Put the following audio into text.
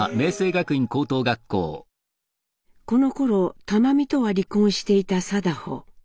このころ玉美とは離婚していた禎穗。